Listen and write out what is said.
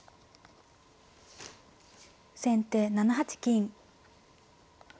先手７八金。